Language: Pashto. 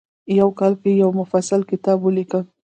په کال کې یو مفصل کتاب ولیکه.